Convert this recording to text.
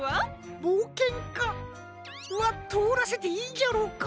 ぼうけんかはとおらせていいんじゃろうか？